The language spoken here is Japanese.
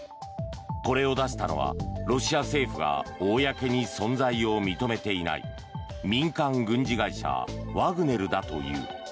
これを出したのはロシア政府が公に存在を認めていない民間軍事会社ワグネルだという。